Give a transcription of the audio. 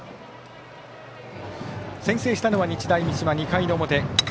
先制したのは日大三島２回の表。